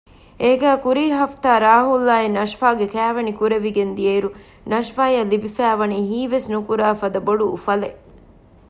އޭގެ ކުރީ ހަފްތާ ރާހުލްއާ ނަޝްފާގެ ކައިވެނި ކުރެވިގެން ދިއައިރު ނަޝްފާއަށް ލިބިފައިވަނީ ހީވެސްނުކުރާ ފަދަ ބޮޑު އުފަލެއް